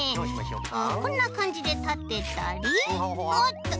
こんなかんじでたてたりおっと！